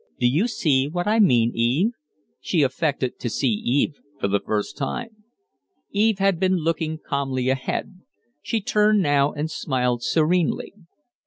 "Do you see what I mean, Eve?" She affected to see Eve for the first time. Eve had been looking calmly ahead. She turned now and smiled serenely.